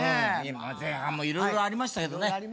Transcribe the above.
前半も色々ありましたけどね。